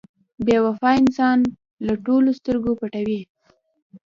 • بې وفا انسان له ټولو سترګې پټوي.